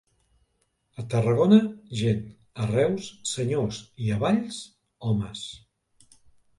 A Tarragona, gent; a Reus, senyors, i a Valls, homes.